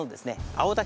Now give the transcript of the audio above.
青竹。